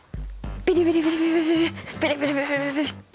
ビリビリ！